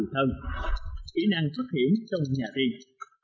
kỹ năng phát hiểm trong nhà riêng